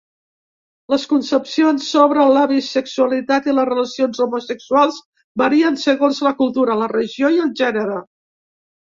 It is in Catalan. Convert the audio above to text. Les concepcions sobre la bisexualitat i les relacions homosexuals varien segons la cultura, la regió i el gènere.